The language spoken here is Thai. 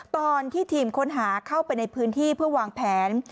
ตอนที่ทีมค้นหาเข้าไปในพื้นที่เพื่อวางแผน